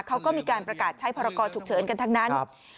เขาก็มีการประกาศใช้พรกรฉุกเฉินกันทั้งนั้น